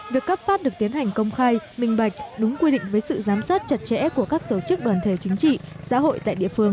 việc cấp phát được tiến hành công khai minh bạch đúng quy định với sự giám sát chặt chẽ của các tổ chức đoàn thể chính trị xã hội tại địa phương